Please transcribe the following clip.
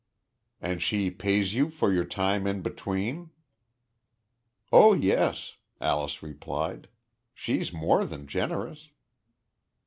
"And she pays you for your time in between?" "Oh yes," Alyce replied; "she's more than generous."